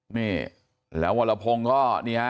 นี่แล้ววรพงศ์ก็นี่ฮะ